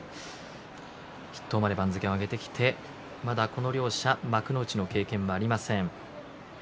筆頭まで番付を上げてきてまだこの両者幕内の経験がありません。